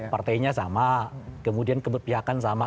partainya sama kemudian keberpihakan sama